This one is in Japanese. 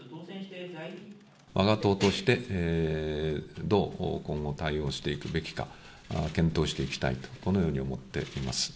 わが党として、どう今後対応していくべきか、検討していきたいと、このように思っています。